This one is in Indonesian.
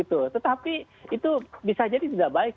tetapi itu bisa jadi tidak baik